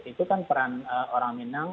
itu kan peran orang minang